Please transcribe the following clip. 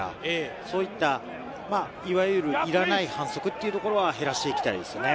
そういった、いわゆるいらない反則というところは減らしていきたいですね。